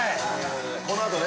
このあとね。